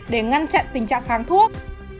để ngăn chặn tình trạng kháng thuốc